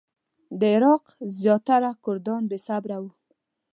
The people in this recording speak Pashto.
د عراق زیاتره کردان بې صبره وو.